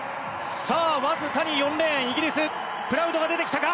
わずかに４レーンのイギリスプラウドが出てきたか。